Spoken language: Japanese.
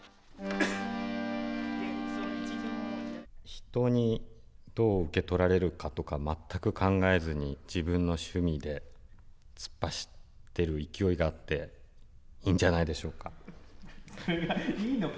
人にどう受け取られるかとか全く考えずに自分の趣味でいいんじゃないでしょうか。